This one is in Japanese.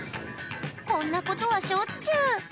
こんなことはしょっちゅう。